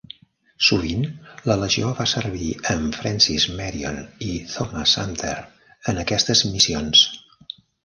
Sovint, la Legió va servir amb Francis Marion i Thomas Sumter en aquestes missions.